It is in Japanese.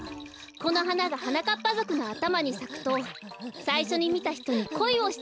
このはながはなかっぱぞくのあたまにさくとさいしょにみたひとにこいをしてしまうんです。